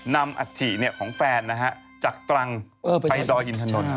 นำอถถี่ของแฟนจากตรังไปดอยอินทะลน